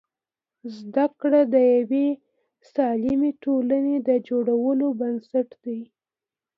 زده کړه د یوې سالمې ټولنې د جوړولو بنسټ دی.